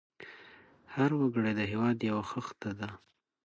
هر وګړی د هېواد یو خښته ده.